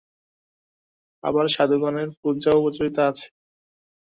আবার সাধুগণের পূজাও প্রচলিত আছে।